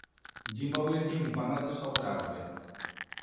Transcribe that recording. Zimbabwe team Bangladesh সফরে আসবে।